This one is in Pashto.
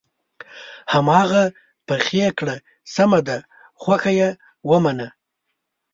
هماغه پخې کړه سمه ده خوښه یې ومنله.